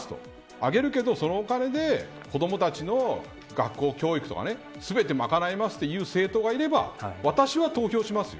上げるけどそのお金で子どもたちの学校教育とか全て賄いますという政党がいれば私は投票しますよ。